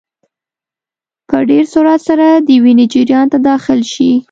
په ډېر سرعت سره د وینې جریان ته داخل شي.